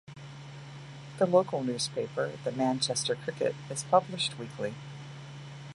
The local newspaper, "The Manchester Cricket", is published weekly.